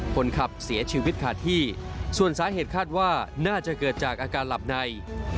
คนขับเสียชีวิตขาดที่ส่วนสาเหตุคาดว่าน่าจะเกิดจากอาการหลับใน